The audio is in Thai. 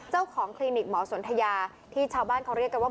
เจ้าของคลินิกหมอสนทยาที่ชาวบ้านเขาเรียกว่า